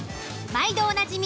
毎度おなじみ